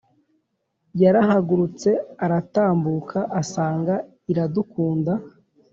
yarahagurutse aratambuka asanga iradukunda